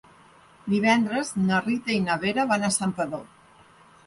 Divendres na Rita i na Vera van a Santpedor.